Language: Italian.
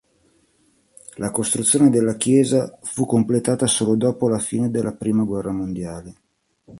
La costruzione della chiesa fu completata solo dopo la fine della prima guerra mondiale.